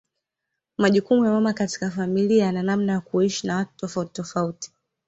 Majukumu ya mama katika familia na namna ya kuishi na watu tofauti tofauti